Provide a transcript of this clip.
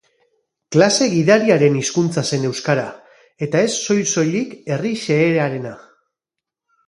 Klase gidariaren hizkuntza zen euskara eta ez soil-soilik herri xehearena.